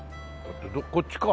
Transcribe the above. こっちか。